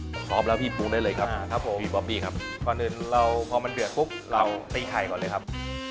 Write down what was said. พอซอฟแล้วพี่ปูได้เลยครับครับผมพี่บอบบี้ครับก่อนอื่นเราพอมันเดือดปุ๊บเราตีไข่ก่อนเลยครับ